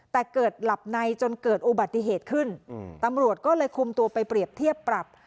แต่เกิดหลับในจนเกิดอุบัติเหตุขึ้นตำรวจก็เลยคุมตัวไปเปรียบเทียบปรับ